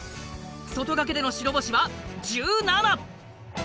外掛けでの白星は１７。